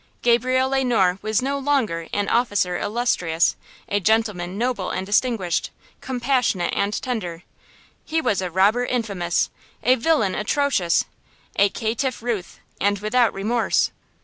Gabriel Le Noir was no longer an officer illustrious, a gentleman noble and distinguished, compassionate and tender; he was a robber infamous! a villain atrocious, a caitiff ruth, and without remorse!